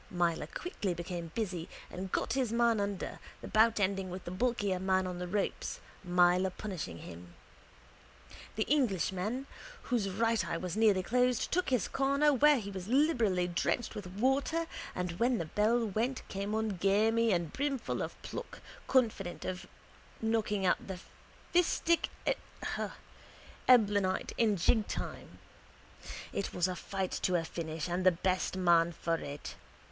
Myler quickly became busy and got his man under, the bout ending with the bulkier man on the ropes, Myler punishing him. The Englishman, whose right eye was nearly closed, took his corner where he was liberally drenched with water and when the bell went came on gamey and brimful of pluck, confident of knocking out the fistic Eblanite in jigtime. It was a fight to a finish and the best man for it.